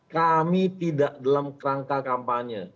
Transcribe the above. kami tidak dalam kerangka kampanye